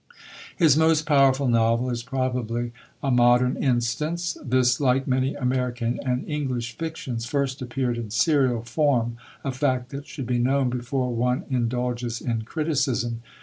His most powerful novel is probably A Modern Instance. This, like many American and English fictions, first appeared in serial form a fact that should be known before one indulges in criticism.